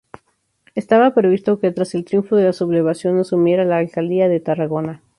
Estaba previsto que tras el triunfo de la sublevación asumiera la alcaldía de Tarragona.